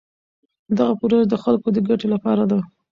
دغه پروژه د خلکو د ګټې لپاره ده.